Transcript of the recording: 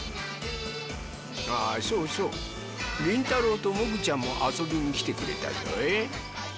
ああそうそうりんたろうともぐちゃんもあそびにきてくれたぞい。